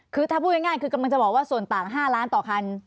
คือถ้าพูดง่ายคือกำลังจะบอกว่าส่วนต่าง๕ล้านต่อคัน